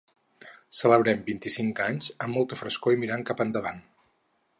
Celebren vint-i-cinc anys amb molta frescor i mirant cap endavant.